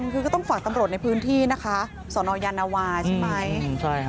คือก็ต้องฝากตำรวจในพื้นที่นะคะสนยานวาใช่ไหม